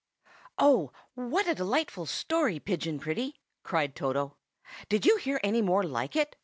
"OH! what a delightful story, Pigeon Pretty!" cried Toto. "Did you hear any more like it?